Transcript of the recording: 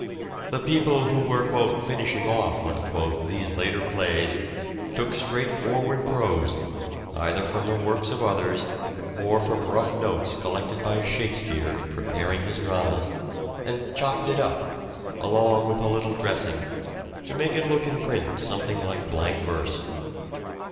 The people who were " finishing off " .these later plays took straightforward prose, either from the works of others, or from rough notes collected by " Shakespeare " in preparing his dramas, and chopped it up, along with a little dressing, to make it look in print something like blank verse.